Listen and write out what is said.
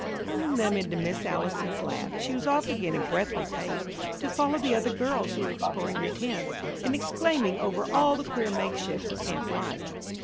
Tumbling them into Miss Allison's lap, she was off again in breathless haste, to follow the other girls, who were exploring the tents, and exclaiming over all the queer make shifts of camp life.